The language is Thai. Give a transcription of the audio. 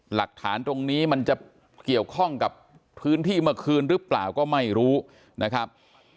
หลักฐานตรงนี้มันจะเกี่ยวข้องกับพื้นที่เมื่อคืนหรือเปล่าก็ไม่รู้นะครับ